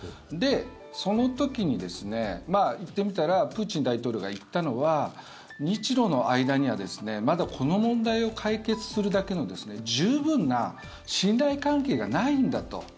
その時に言ってみたらプーチン大統領が言ったのは日ロの間にはまだこの問題を解決するだけの十分な信頼関係がないんだと。